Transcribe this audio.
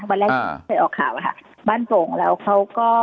วันแรกที่เคยออกข่าวอะค่ะบ้านโป่งแล้วเขาก็